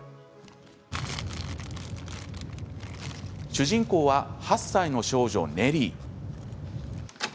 主人公は８歳の少女、ネリー。